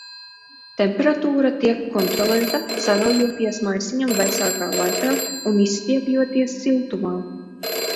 Temperatūra tiek kontrolēta, saraujoties maisiņam vēsākā laikā un izstiepjoties siltumā.